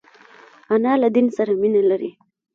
انا له دین سره مینه لري